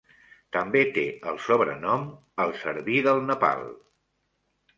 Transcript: També té el sobrenom "el Cerví del Nepal".